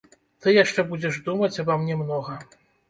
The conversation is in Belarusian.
Ты яшчэ будзеш думаць аба мне многа.